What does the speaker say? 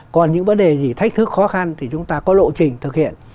còn những vấn đề gì thách thức khó khăn thì chúng ta có lộ trình thực hiện